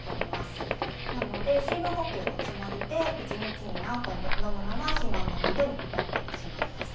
なので水分補給のつもりで１日に何本も飲むのは肥満のもとになってしまいます。